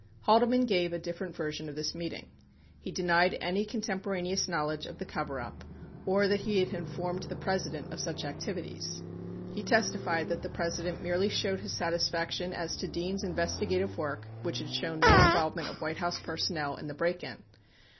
37 Haldeman gave a different version of this meeting. He denied any contemporaneous knowledge of the coverup or that he had informed the President of such activities. He testified that the President merely expressed his satisfaction as to Dean's investigative work which had shown no involvement of White House, personnel in the break in.